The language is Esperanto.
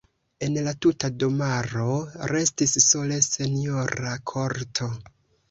El la tuta domaro restis sole senjora korto.